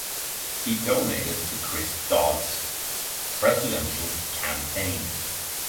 He donated to Chris Dodd's presidential campaign.